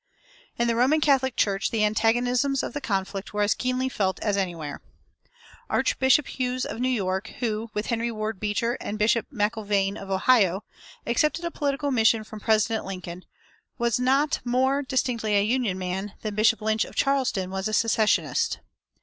In the Roman Catholic Church the antagonisms of the conflict were as keenly felt as anywhere. Archbishop Hughes of New York, who, with Henry Ward Beecher and Bishop McIlvaine of Ohio, accepted a political mission from President Lincoln, was not more distinctly a Union man than Bishop Lynch of Charleston was a secessionist.